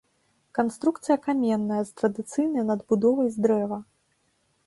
Канструкцыя каменная, з традыцыйнай надбудовай з дрэва.